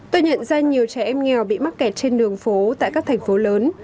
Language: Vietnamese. tôi nhận ra nhiều trẻ em nghèo bị mắc kẹt trên đường phố tại các thành phố lớn